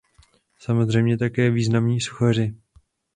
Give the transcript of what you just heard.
Samozřejmě také významní sochaři.